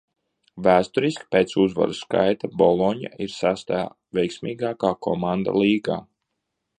"Vēsturiski pēc uzvaru skaita "Bologna" ir sestā veiksmīgākā komanda līgā."